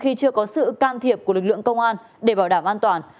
khi chưa có sự can thiệp của lực lượng công an để bảo đảm an toàn